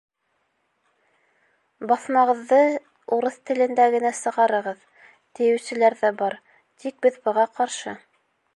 Баҫмағыҙҙы урыҫ телендә генә сығарығыҙ, тиеүселәр ҙә бар, тик беҙ быға ҡаршы.